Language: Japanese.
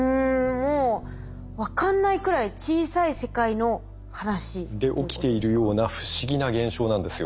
もう分かんないくらい小さい世界の話。で起きているような不思議な現象なんですよ。